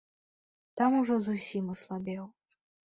Там ужо зусім аслабеў.